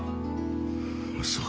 そう。